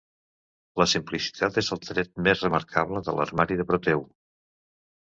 La simplicitat és el tret més remarcable de l'armari de Proteu.